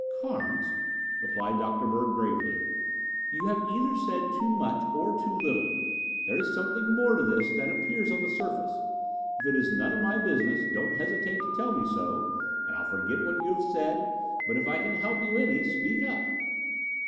"Carnes," replied Dr. Bird gravely, "you have either said too much or too little. There is something more to this than appears on the surface. If it is none of my business, don't hesitate to tell me so and I'll forget what you have said, but if I can help you any, speak up."